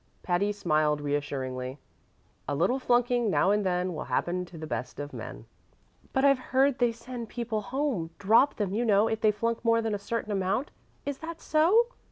Patty smiled reassuringly. "A little flunking now and then Will happen to the best of men." "But I've heard they send people home, drop them, you know, if they flunk more than a certain amount. Is that so?"